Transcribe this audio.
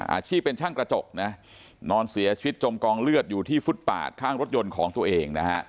อาชีพเป็นช่างกระจกนะนอนเสียชีวิตจมกองเลือดอยู่ที่ฟุตปาดข้างรถยนต์ของตัวเองนะฮะ